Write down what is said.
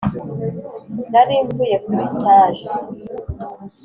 nari mvuye kuri stage